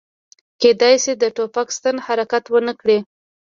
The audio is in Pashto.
کیدای شي د ټوپک ستن حرکت ونه کړي